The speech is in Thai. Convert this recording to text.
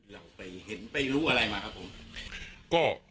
เราไปเห็นไปรู้อะไรมาครับผม